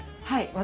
はい。